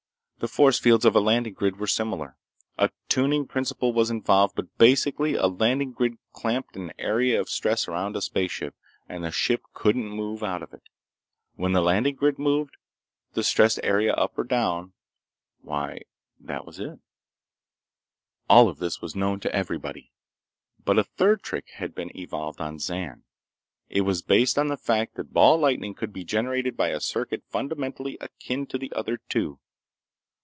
The force fields of a landing grid were similar. A tuning principle was involved, but basically a landing grid clamped an area of stress around a spaceship, and the ship couldn't move out of it. When the landing grid moved the stressed area up or down—why—that was it. All this was known to everybody. But a third trick had been evolved on Zan. It was based on the fact that ball lightning could be generated by a circuit fundamentally akin to the other two.